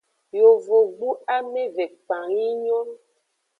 Yovogbu ameve kpang yi nyon.